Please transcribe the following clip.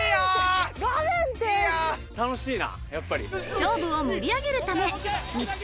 勝負を盛り上げるためこれ。